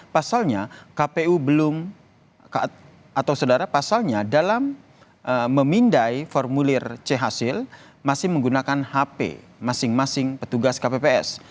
pasalnya kpu belum atau saudara pasalnya dalam memindai formulir c hasil masih menggunakan hp masing masing petugas kpps